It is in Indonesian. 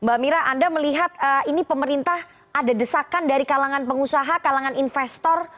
mbak mira anda melihat ini pemerintah ada desakan dari kalangan pengusaha kalangan investor